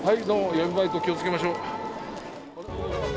闇バイトに気をつけましょうびっー